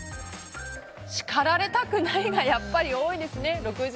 叱られたくないがやっぱり多いですね。